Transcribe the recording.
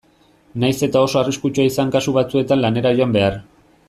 Nahiz eta oso arriskutsua izan kasu batzuetan lanera joan behar.